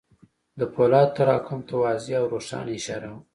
د پولادو تراکم ته واضح او روښانه اشاره وه.